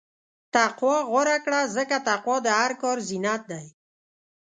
تقوی غوره کړه، ځکه تقوی د هر کار زینت دی.